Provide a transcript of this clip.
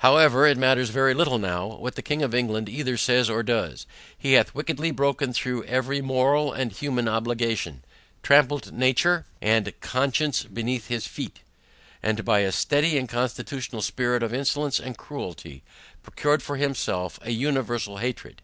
However, it matters very little now, what the king of England either says or does; he hath wickedly broken through every moral and human obligation, trampled nature and conscience beneath his feet; and by a steady and constitutional spirit of insolence and cruelty, procured for himself an universal hatred.